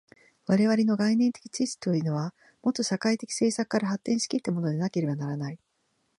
我々の概念的知識というのは、もと社会的制作から発展し来ったものでなければならない。